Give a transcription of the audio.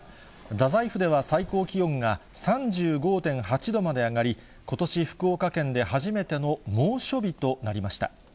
太宰府では最高気温が３５．８度まで上がり、ことし福岡県で初めての猛暑日となりました。